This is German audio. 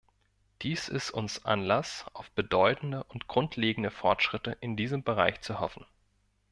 Dies ist uns Anlass, auf bedeutende und grundlegende Fortschritte in diesem Bereich zu hoffen.